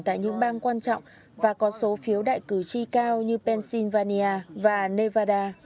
tại những bang quan trọng và có số phiếu đại cử tri cao như pennsylvania và nevada